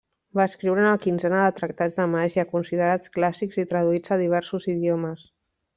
Va escriure una quinzena de tractats de màgia, considerats clàssics i traduïts a diversos idiomes.